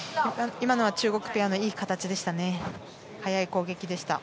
今のは中国ペアのいい形でしたね。